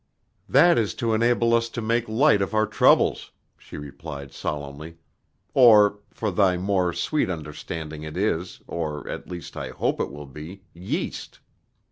"That is to enable us to make light of our troubles," she replied solemnly. "Or, for thy more sweet understanding it is, or at least I hope it will be, yeast.